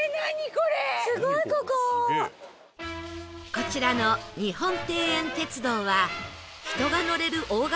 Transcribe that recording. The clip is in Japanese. こちらの日本庭園鉄道は人が乗れる大型